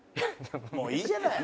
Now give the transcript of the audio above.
もういいじゃない。